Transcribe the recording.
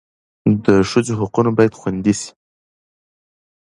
د ښځو حقونه باید خوندي سي.